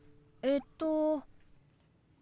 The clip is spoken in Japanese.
えっと？